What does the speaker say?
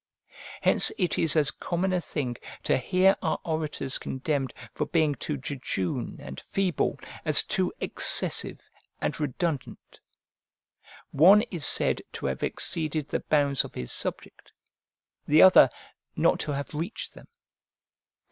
Hence it is as common a thing to hear our orators condemned for being too jejune and feeble as too excessive and redundant. One is said to have exceeded the bounds of his subject, the other not to have reached them.